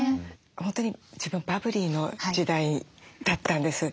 本当に自分はバブリーの時代だったんです。